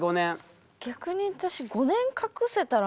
逆に私